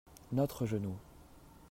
notre genou.